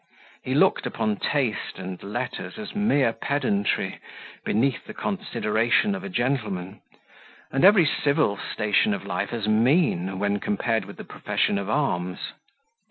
He looked upon taste and letters as mere pedantry, beneath the consideration of a gentleman, and every civil station of life as mean, when compared with the profession of arms.